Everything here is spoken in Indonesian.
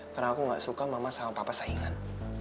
karena aku gak suka mama sama papa saingan